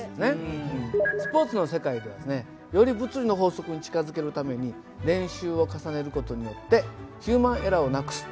スポーツの世界ではですねより物理の法則に近づけるために練習を重ねる事によってヒューマンエラーをなくす。